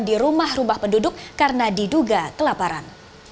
di rumah rumah penduduk karena diduga kelaparan